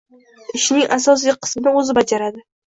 ishning asosiy qismini o‘zi bajaradi.